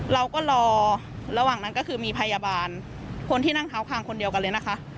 เราก็รอระหว่างนั้นก็คือมีพยาบาลคนที่นั่งเท้าคางคนเดียวกันเลยนะคะ